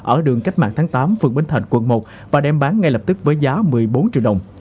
ở đường cách mạng tháng tám phường bến thành quận một và đem bán ngay lập tức với giá một mươi bốn triệu đồng